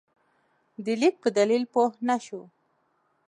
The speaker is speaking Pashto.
د لیک په دلیل پوه نه شو.